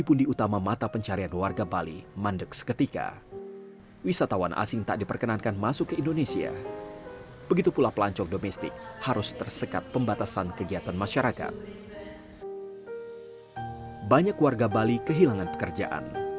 banyak warga bali kehilangan pekerjaan